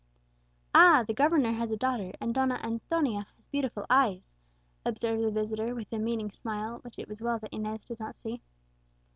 "Ah! the governor has a daughter, and Donna Antonia has beautiful eyes," observed the visitor with a meaning smile, which it was well that Inez did not see.